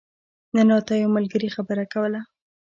نن راته يو ملګري خبره کوله